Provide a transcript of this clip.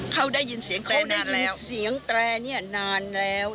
เขาได้ยินเสียงแตรนานแล้ว